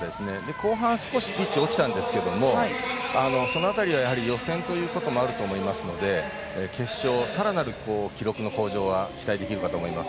後半、少しピッチが落ちたんですけどもその辺りは予選ということもあると思いますので決勝、さらなる記録の向上が期待できるかと思います。